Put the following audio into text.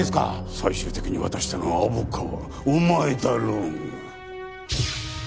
最終的に渡したのは虻川お前だろうが。